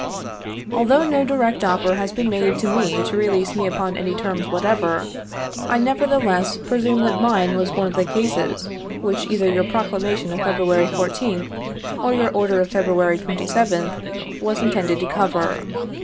"Although no direct offer has been made to me to release me upon any terms whatsoever, I, nevertheless, presume that mine was one of the cases which, either your Proclamation of February 14th, or your Order of February 27th, was intended to cover.